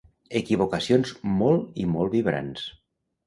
Equivocacions molt i molt vibrants.